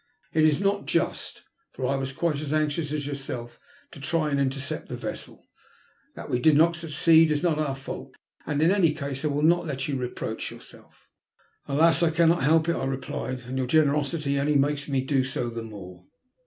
It is not just, for I was quite as anxious as yourself to try and intercept the vessel. That we did not succeed is not our fault, and in any case I will not let you reproach yourself." " Alas ! I cannot help it," I replied. And your generosity only makes me do so the more."